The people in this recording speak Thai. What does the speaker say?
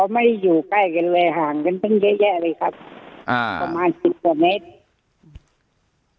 อ๋อไม่ได้อยู่ใกล้กันเลยห่างกันเป็นเยอะแยะเลยครับประมาณ๑๐กว่าเมตร